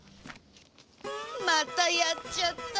またやっちゃった。